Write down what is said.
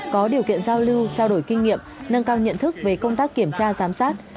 có điều kiện giao lưu trao đổi kinh nghiệm nâng cao nhận thức về công tác kiểm tra giám sát